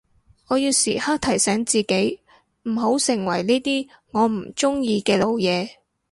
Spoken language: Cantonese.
我要時刻提醒自己唔好成為呢啲我唔中意嘅老嘢